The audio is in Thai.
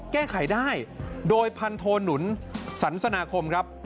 แก้ไขได้โดยพันโทหนุนสันสนาคมครับ